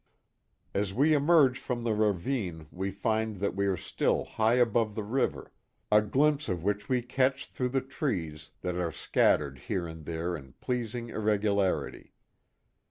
As we emerge from the ravine we find that we are still high above the river, a glimpse of which we catch through 320 The Mohawk Valley the trees that are scattered here and there in pleasing irrego^" larity.